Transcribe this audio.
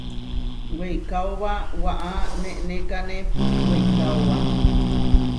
Weikaóba waʼá nenekanépu weikaóba.